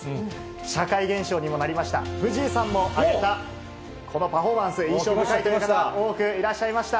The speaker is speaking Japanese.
社会現象にもなりました、藤井さんも挙げたこのパフォーマンスで印象深いという方、多くいらっしゃいました。